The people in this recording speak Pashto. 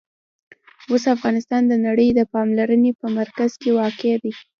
اوس افغانستان د نړۍ د پاملرنې په مرکز کې واقع دی.